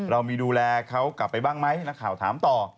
เรามีดูแลเขากลับไปบ้างไหมนักข่าวถามต่อ